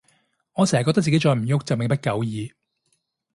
我成日覺得自己再唔郁就命不久矣